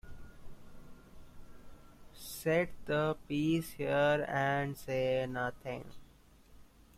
Set the piece here and say nothing.